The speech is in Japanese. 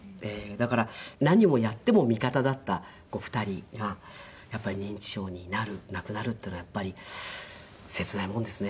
だから何をやっても味方だった２人が認知症になる亡くなるっていうのはやっぱり切ないもんですね。